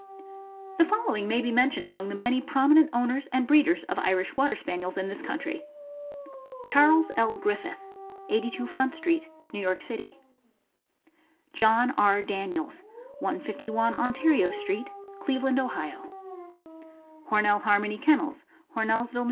The following may be mentioned among the many promi nent owners and breeders of Irish Water Spaniels in this country: Charles L. Griffith, 82 Front street, New York City; John R. Daniels, 151 Ontario street, Cleveland, Ohio; Hornell Harmony Kennels, Hornellsville, N.